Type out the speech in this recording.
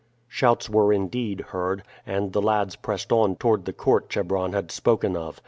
Shouts were indeed heard, and the lads pressed on toward the court Chebron had spoken of.